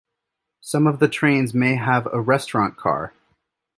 Some of the trains may have a restaurant car.